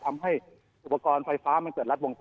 ทำให้อุปกรณ์ไฟฟ้ามันเกิดรัดวงจร